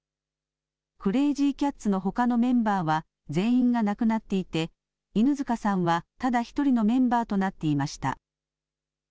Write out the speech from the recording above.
クレージーキャッツのほかのメンバーは全員が亡くなっていて犬塚さんはただ１人のメンバーとなっていました。